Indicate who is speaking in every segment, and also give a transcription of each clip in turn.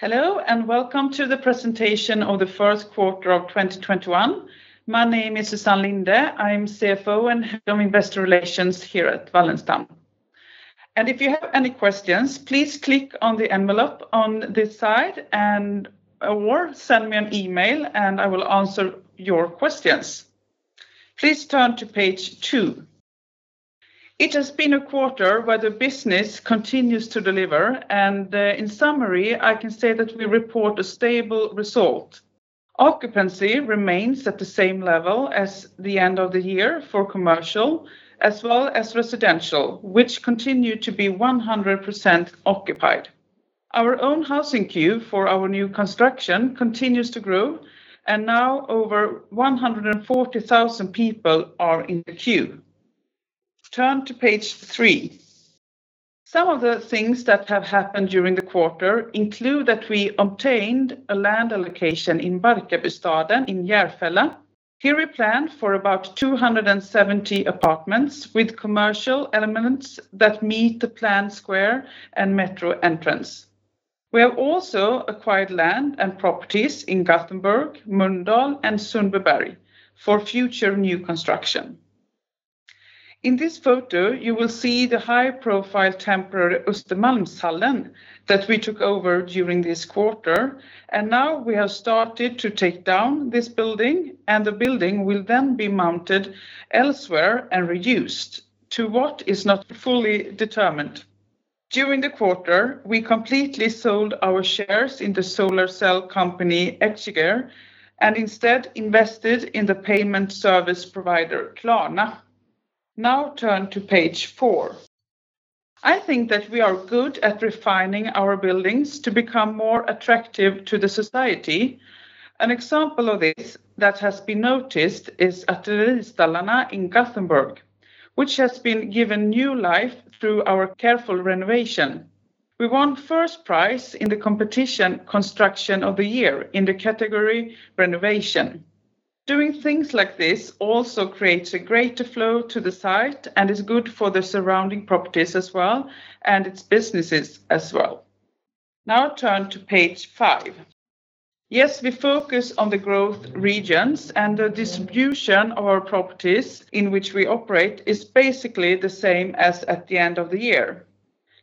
Speaker 1: Hello, welcome to the presentation of the first quarter of 2021. My name is Susann Linde. I'm CFO and Head of Investor Relations here at Wallenstam. If you have any questions, please click on the envelope on this side, or send me an email, and I will answer your questions. Please turn to page two. It has been a quarter where the business continues to deliver, and in summary, I can say that we report a stable result. Occupancy remains at the same level as the end of the year for commercial as well as residential, which continue to be 100% occupied. Our own housing queue for our new construction continues to grow, and now over 140,000 people are in the queue. Turn to page three. Some of the things that have happened during the quarter include that we obtained a land allocation in Barkarbystaden in Järfälla. Here we plan for about 270 apartments with commercial elements that meet the plan square and metro entrance. We have also acquired land and properties in Gothenburg, Mölndal, and Sundbyberg for future new construction. In this photo, you will see the high-profile temporary Östermalmshallen that we took over during this quarter. Now we have started to take down this building. The building will then be mounted elsewhere and reused. To what is not fully determined. During the quarter, we completely sold our shares in the solar cell company Exeger. Instead invested in the payment service provider Klarna. Turn to page four. I think that we are good at refining our buildings to become more attractive to the society. An example of this that has been noticed is Ateljestallarna in Gothenburg, which has been given new life through our careful renovation. We won first prize in the competition Construction of the Year in the category renovation. Doing things like this also creates a greater flow to the site and is good for the surrounding properties as well, and its businesses as well. Turn to page five. Yes, we focus on the growth regions and the distribution of our properties in which we operate is basically the same as at the end of the year.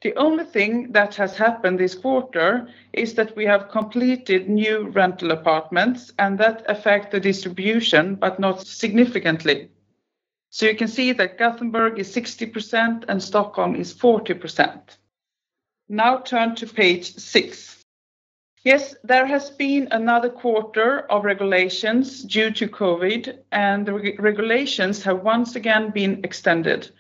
Speaker 1: The only thing that has happened this quarter is that we have completed new rental apartments and that affect the distribution, but not significantly. You can see that Gothenburg is 60% and Stockholm is 40%. Turn to page six. Yes, there has been another quarter of regulations due to COVID, and the regulations have once again been extended.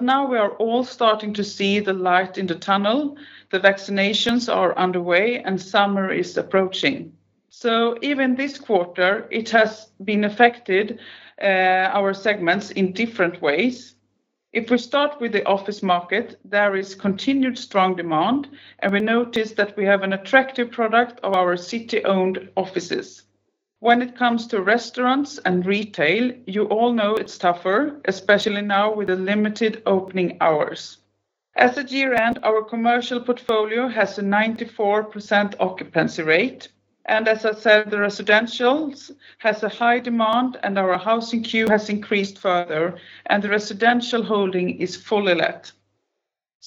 Speaker 1: Now we are all starting to see the light in the tunnel. The vaccinations are underway, summer is approaching. Even this quarter, it has been affected, our segments in different ways. If we start with the office market, there is continued strong demand, and we notice that we have an attractive product of our city-owned offices. When it comes to restaurants and retail, you all know it's tougher, especially now with the limited opening hours. At the year-end, our commercial portfolio has a 94% occupancy rate, and as I said, the residentials has a high demand and our housing queue has increased further, and the residential holding is fully let.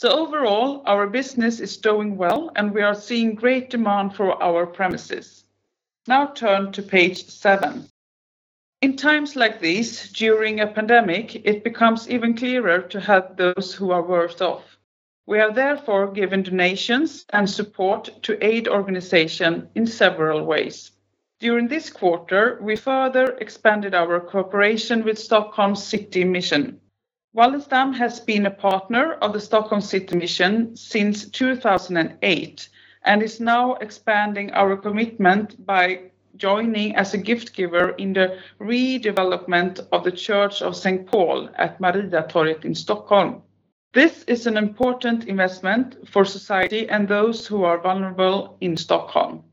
Speaker 1: Overall, our business is doing well, and we are seeing great demand for our premises. Now turn to page seven. In times like these, during a pandemic, it becomes even clearer to help those who are worse off. We have therefore given donations and support to aid organization in several ways. During this quarter, we further expanded our cooperation with Stockholm City Mission. Wallenstam has been a partner of the Stockholm City Mission since 2008 and is now expanding our commitment by joining as a gift giver in the redevelopment of the Church of St. Paul at Mariatorget in Stockholm. This is an important investment for society and those who are vulnerable in Stockholm.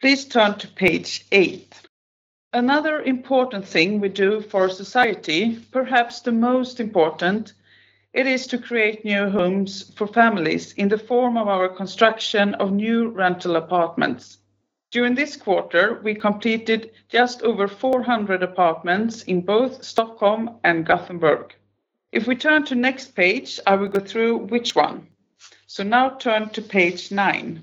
Speaker 1: Please turn to page eight. Another important thing we do for society, perhaps the most important, it is to create new homes for families in the form of our construction of new rental apartments. During this quarter, we completed just over 400 apartments in both Stockholm and Gothenburg. If we turn to next page, I will go through which one. Now turn to page nine.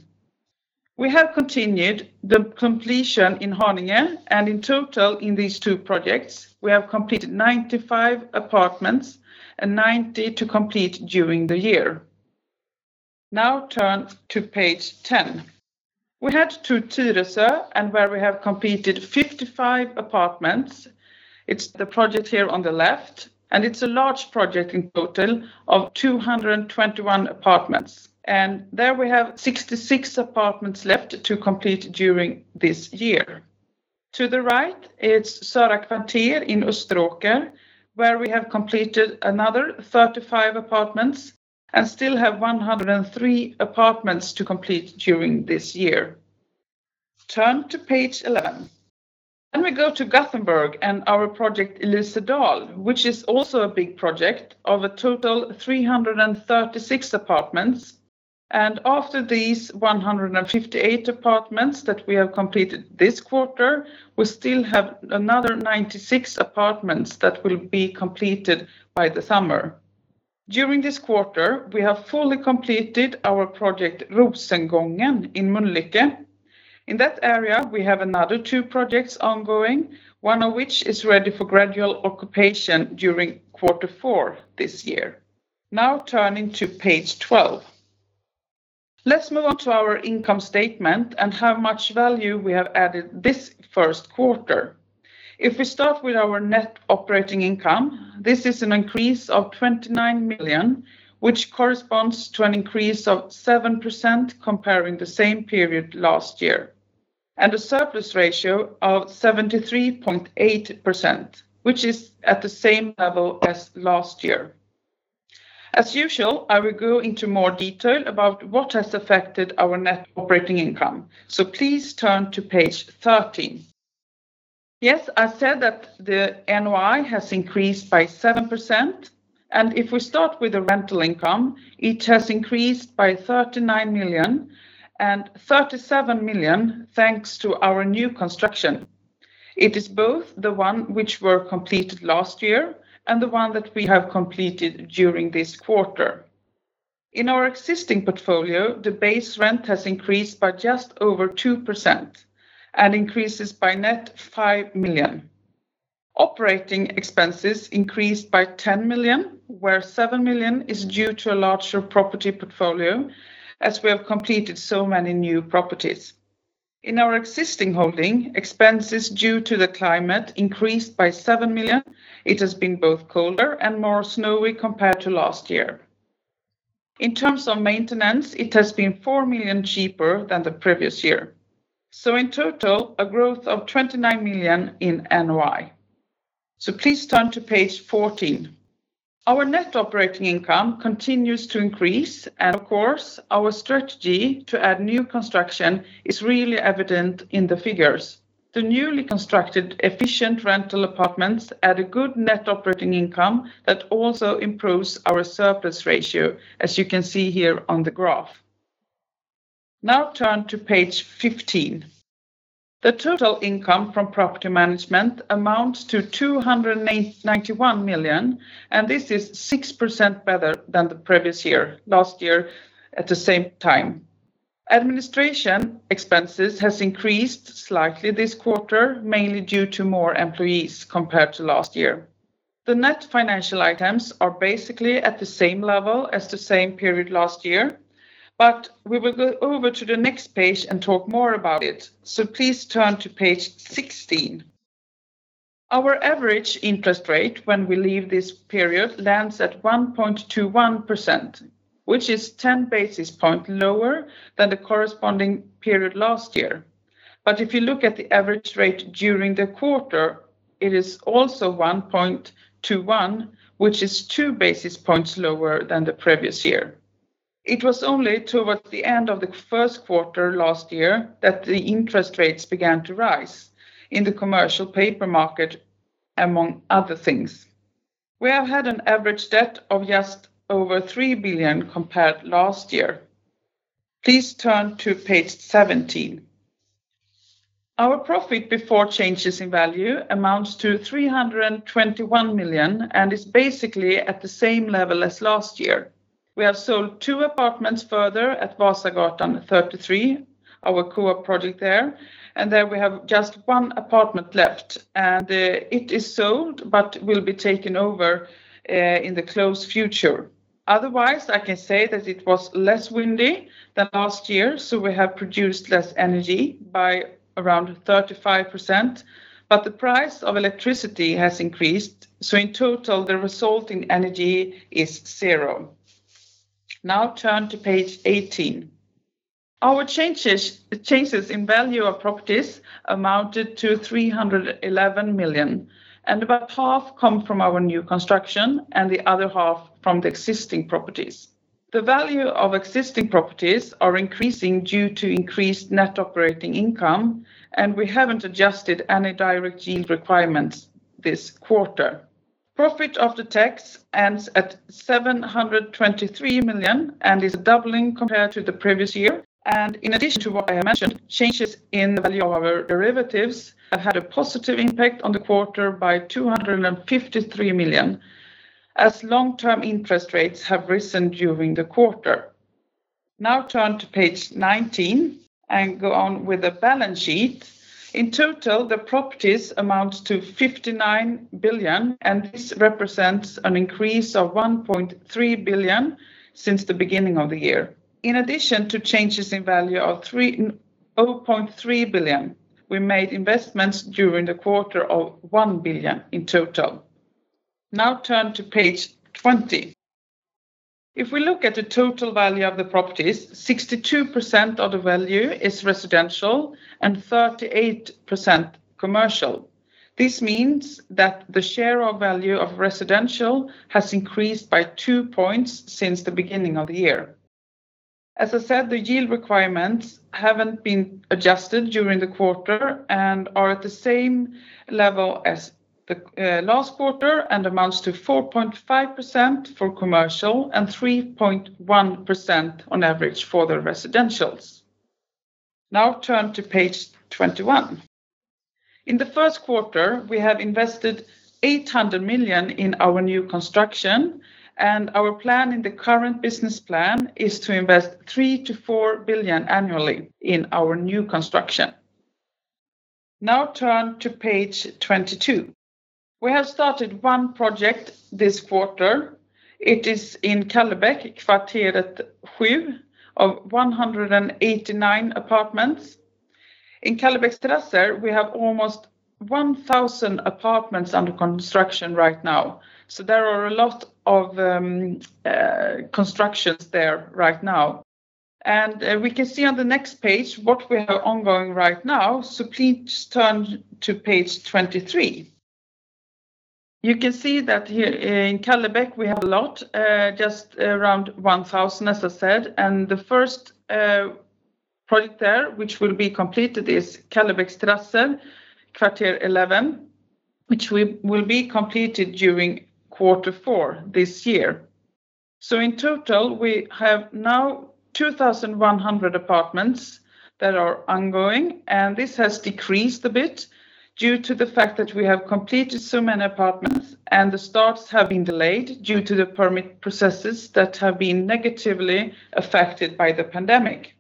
Speaker 1: We have continued the completion in Haninge, and in total in these two projects, we have completed 95 apartments and 90 to complete during the year. Now turn to page 10. We head to Tyresö and where we have completed 55 apartments. It's the project here on the left, and it's a large project in total of 221 apartments. There we have 66 apartments left to complete during this year. To the right, it's Söra Kvarter in Österåker, where we have completed another 35 apartments and still have 103 apartments to complete during this year. Turn to page 11. We go to Gothenburg and our project Elisedal, which is also a big project of a total 336 apartments. After these 158 apartments that we have completed this quarter, we still have another 96 apartments that will be completed by the summer. During this quarter, we have fully completed our project Rosengången in Mölndal. In that area, we have another two projects ongoing, one of which is ready for gradual occupation during quarter four this year. Turning to page 12. Let's move on to our income statement and how much value we have added this first quarter. If we start with our net operating income, this is an increase of 29 million, which corresponds to an increase of 7% comparing the same period last year, and a surplus ratio of 73.8%, which is at the same level as last year. As usual, I will go into more detail about what has affected our net operating income. Please turn to page 13. I said that the NOI has increased by 7%, and if we start with the rental income, it has increased by 39 million, and 37 million thanks to our new construction. It is both the one which were completed last year and the one that we have completed during this quarter. In our existing portfolio, the base rent has increased by just over 2% and increases by net 5 million. Operating expenses increased by 10 million, where 7 million is due to a larger property portfolio, as we have completed so many new properties. In our existing holding, expenses due to the climate increased by 7 million. It has been both colder and more snowy compared to last year. In terms of maintenance, it has been 4 million cheaper than the previous year. In total, a growth of 29 million in NOI. Please turn to page 14. Our net operating income continues to increase, of course, our strategy to add new construction is really evident in the figures. The newly constructed efficient rental apartments at a good net operating income that also improves our surplus ratio, as you can see here on the graph. Turn to page 15. The total income from property management amounts to 291 million, this is 6% better than the previous year, last year at the same time. Administration expenses has increased slightly this quarter, mainly due to more employees compared to last year. The net financial items are basically at the same level as the same period last year, we will go over to the next page and talk more about it. Please turn to page 16. Our average interest rate when we leave this period lands at 1.21%, which is 10 basis points lower than the corresponding period last year. If you look at the average rate during the quarter, it is also 1.21%, which is two basis points lower than the previous year. It was only towards the end of the first quarter last year that the interest rates began to rise in the commercial paper market, among other things. We have had an average debt of just over 3 billion compared last year. Please turn to page 17. Our profit before changes in value amounts to 321 million, and is basically at the same level as last year. We have sold two apartments further at Vasagatan 33, our co-op project there, and then we have just one apartment left. It is sold, but will be taken over in the close future. I can say that it was less windy than last year, we have produced less energy by around 35%, the price of electricity has increased. In total, the resulting energy is zero. Now turn to page 18. Our changes in value of properties amounted to 311 million, about half come from our new construction, the other half from the existing properties. The value of existing properties are increasing due to increased net operating income, we haven't adjusted any direct yield requirements this quarter. Profit after tax ends at 723 million, is doubling compared to the previous year. In addition to what I mentioned, changes in the value of our derivatives have had a positive impact on the quarter by 253 million, as long-term interest rates have risen during the quarter. Turn to page 19 and go on with the balance sheet. In total, the properties amount to 59 billion, this represents an increase of 1.3 billion since the beginning of the year. In addition to changes in value of 0.3 billion, we made investments during the quarter of 1 billion in total. Turn to page 20. If we look at the total value of the properties, 62% of the value is residential and 38% commercial. This means that the share of value of residential has increased by two points since the beginning of the year. As I said, the yield requirements haven't been adjusted during the quarter and are at the same level as the last quarter, amounts to 4.5% for commercial and 3.1% on average for the residentials. Turn to page 21. In the first quarter, we have invested 800 million in our new construction, and our plan in the current business plan is to invest 3 billion-4 billion annually in our new construction. Turn to page 22. We have started one project this quarter. It is in Kallebäck, Kvarteret Sju, of 189 apartments. In Kallebäcksterrassen, we have almost 1,000 apartments under construction right now. There are a lot of constructions there right now. We can see on the next page what we have ongoing right now, please turn to page 23. You can see that here in Kallebäck, we have a lot, just around 1,000, as I said. The first project there, which will be completed, is Kallebäcksterrassen, Kvarter 11, which will be completed during quarter four this year. In total, we have now 2,100 apartments that are ongoing, and this has decreased a bit due to the fact that we have completed so many apartments and the starts have been delayed due to the permit processes that have been negatively affected by the pandemic.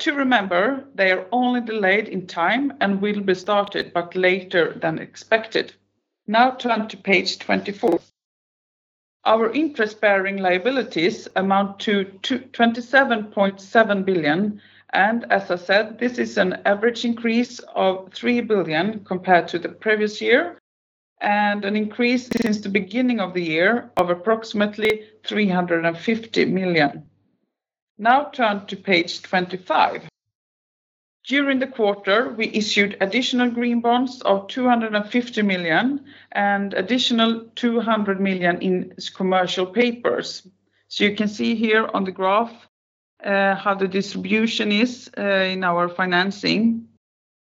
Speaker 1: To remember, they are only delayed in time and will be started, but later than expected. Turn to page 24. Our interest-bearing liabilities amount to 27.7 billion, and as I said, this is an average increase of 3 billion compared to the previous year, and an increase since the beginning of the year of approximately SEK 350 million. Turn to page 25. During the quarter, we issued additional green bonds of 250 million and additional 200 million in commercial papers. You can see here on the graph how the distribution is in our financing.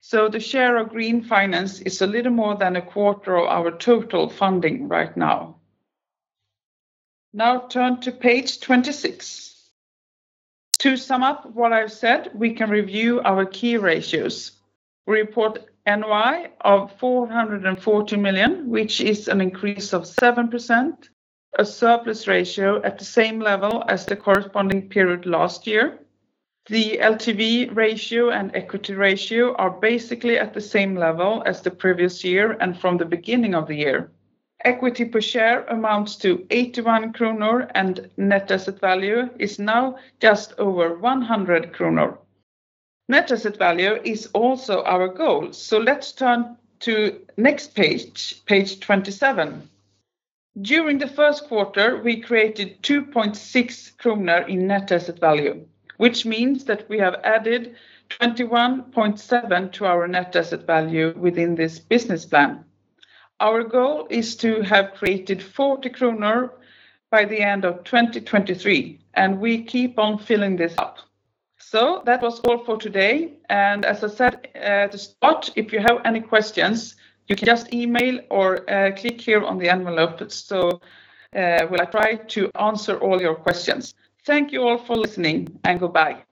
Speaker 1: The share of green finance is a little more than a quarter of our total funding right now. Turn to page 26. To sum up what I've said, we can review our key ratios. We report NOI of 440 million, which is an increase of 7%, a surplus ratio at the same level as the corresponding period last year. The LTV ratio and equity ratio are basically at the same level as the previous year and from the beginning of the year. Equity per share amounts to 81 kronor, and net asset value is now just over 100 kronor. Net asset value is also our goal. Let's turn to next page 27. During the first quarter, we created 2.6 kronor in net asset value, which means that we have added 21.7 to our net asset value within this business plan. Our goal is to have created SEK 40 by the end of 2023, and we keep on filling this up. That was all for today. As I said at the start, if you have any questions, you can just email or click here on the envelope. Will I try to answer all your questions. Thank you all for listening, and goodbye.